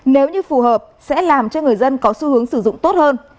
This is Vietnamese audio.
nếu như phù hợp sẽ làm cho người dân có xu hướng sử dụng tốt hơn